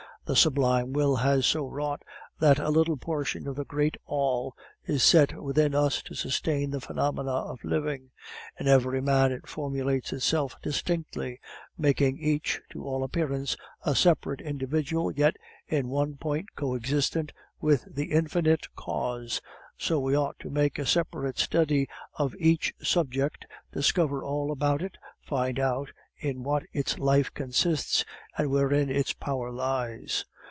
The sublime will has so wrought that a little portion of the great All is set within us to sustain the phenomena of living; in every man it formulates itself distinctly, making each, to all appearance, a separate individual, yet in one point co existent with the infinite cause. So we ought to make a separate study of each subject, discover all about it, find out in what its life consists, and wherein its power lies.